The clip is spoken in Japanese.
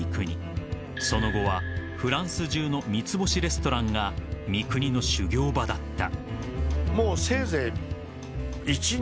［その後はフランス中の三つ星レストランが三國の修業場だった］